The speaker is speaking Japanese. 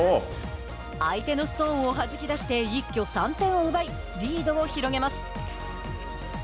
相手のストーンをはじき出して一挙３点を奪いリードを広げます。